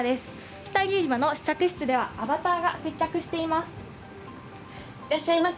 下着売り場の試着室では、アバターが接客しています。